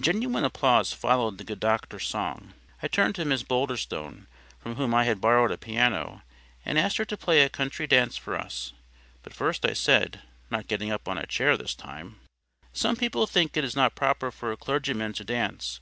Genuine applause followed the good doctor's song. I turned to Miss Boulderstone, from whom I had borrowed a piano, and asked her to play a country dance for us. But first I said—not getting up on a chair this time:— "Some people think it is not proper for a clergyman to dance.